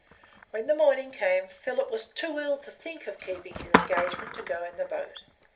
When the morning came, Philip was too ill to think of keeping his engagement to go in the boat.